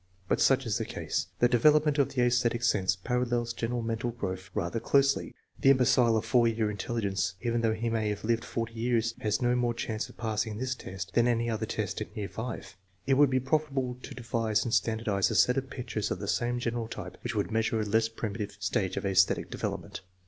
But such is the case. The development of the sesthetic sense parallels general mental growth rather closely. The imbecile of 4 year intelligence, even though he may have lived forty years, has no more chance of pass ing this test than any other test in year V. It would be profitable to devise and standardize a set of pictures of the same general type which would measure a less primitive stage of sesthetic development.